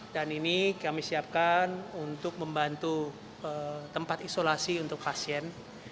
dan ini kami siapkan untuk membantu tempat isolasi untuk pasien